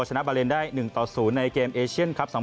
ชนะบาเลนได้๑ต่อ๐ในเกมเอเชียนครับ๒๐